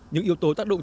những yếu tố tác động